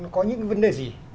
có những vấn đề gì